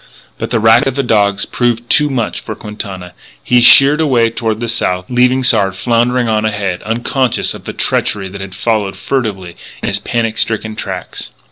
But the racket of the dogs proved too much for Quintana. He sheered away toward the South, leaving Sard floundering on ahead, unconscious of the treachery that had followed furtively in his panic stricken tracks.